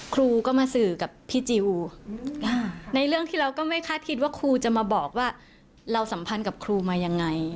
ครูก็มาสื่อกับพี่จิลในเรื่องที่เราก็ไม่คาดคิดว่าครูจะมาบอกว่าเราสัมพันธ์กับครูมายังไง